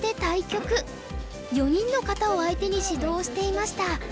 ４人の方を相手に指導をしていました。